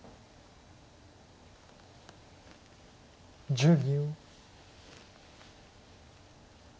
１０秒。